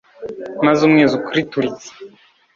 Maze umwezi ukrituritsa